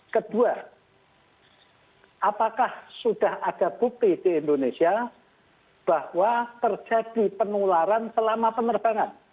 kedua apakah sudah ada bukti di indonesia bahwa terjadi penularan selama penerbangan